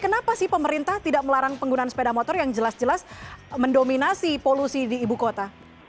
kenapa sih pemerintah tidak melarang penggunaan sepeda motor yang jelas jelas mendominasi polusi di ibu kota